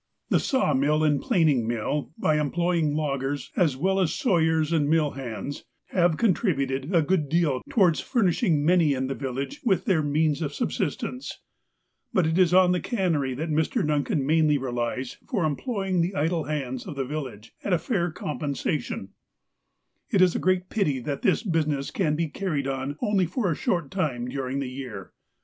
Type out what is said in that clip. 350 THE METLAKAHTLA INDUSTRIES 351 The sawmill aud planing mill, by employing loggers, as well as sawyers aud mill hands, have contributed a good deal towards furnishing many in the village with their means of subsistence. But it is on the cannery that Mr. Duncan mainly relies for employing the idle hands of the village at a fair compensation. It is a great pity that this business can be carried on only for a short time during the year.